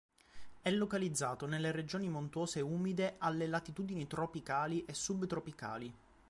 È localizzato nelle regioni montuose umide alle latitudini tropicali e sub-tropicali.